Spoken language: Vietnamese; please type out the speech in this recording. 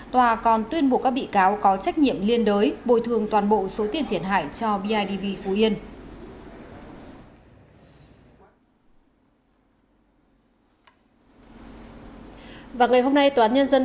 tòa còn tuyên buộc các bị cáo có trách nhiệm liên đới bồi thường toàn bộ số tiền thiệt hại cho bidv phú yên